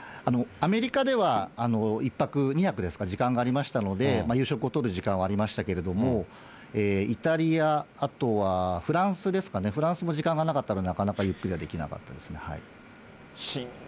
アメリカでは１泊、２泊ですか、時間がありましたので、夕食をとる時間はありましたけれども、イタリア、あとはフランスですかね、フランスも時間がなかったので、なかなかゆっくりはできなかったですね。